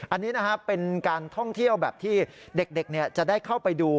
อันนี้นะครับเป็นการท่องเที่ยวแบบที่เด็กจะได้เข้าไปดู